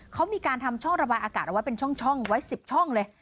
เขามีการทำช่องระบายอากาศเอาไว้เป็นช่องไว้๑๐ช่องเลย